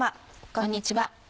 こんにちは。